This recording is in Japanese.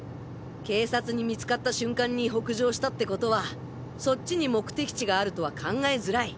警察に見つかった瞬間に北上したってことはそっちに目的地があるとは考えづらい。